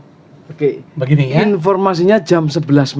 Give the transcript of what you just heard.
oke begini informasinya jam sebelas malam